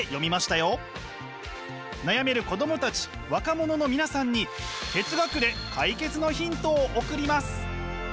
悩める子どもたち若者の皆さんに哲学で解決のヒントを送ります！